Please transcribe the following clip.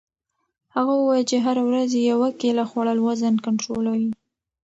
هغه وویل چې هره ورځ یوه کیله خوړل وزن کنټرولوي.